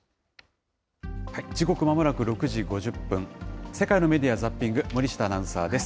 時刻まもなく６時５０分、世界のメディア・ザッピング、森下アナウンサーです。